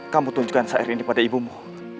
kamu tunjukkan syair ini pada ibumu